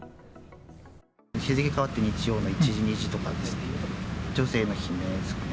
日付変わって日曜の１時、２時とかですね、女性の悲鳴ですかね。